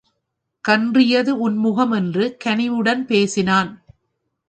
கன்றியது உன் முகம் என்று கனிவுடன் பேசினான்.